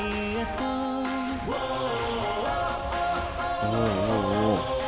おおおおおお。